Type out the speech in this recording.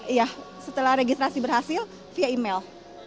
iya setelah registrasi berhasil via email